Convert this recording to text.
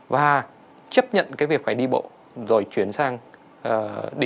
và chấp nhận việc phải đi bộ rồi chuyển sang đi dân